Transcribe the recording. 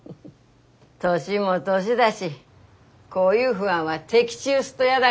年も年だしこういう不安は的中すっとやだがら。